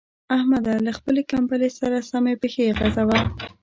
احمده! له خپلې کمبلې سره سمې پښې غځوه.